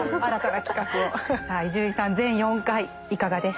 さあ伊集院さん全４回いかがでしたか。